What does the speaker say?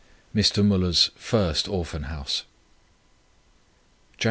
MR. MÜLLER'S FIRST ORPHAN HOUSE. "Jan.